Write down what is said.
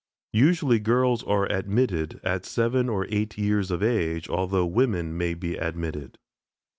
Usually girls are admitted at seven or eight years of age, although women may be admitted.